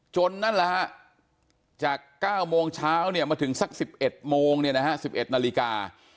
จนนั้นแหละฮะจาก๙โมงเช้าเนี่ยมาถึงสัก๑๑โมงเนี่ยนะฮะ๑๑นาฬิกา